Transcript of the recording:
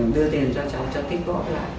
đưa tiền cho cháu cho tích gõ lại